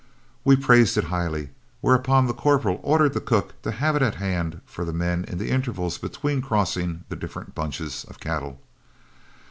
We praised it highly, whereupon the corporal ordered the cook to have it at hand for the men in the intervals between crossing the different bunches of cattle.